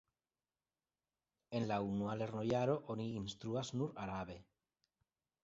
En la unua lernojaro oni instruas nur arabe.